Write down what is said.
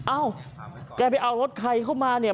เอ้าแกไปเอารถใครเข้ามาเนี่ย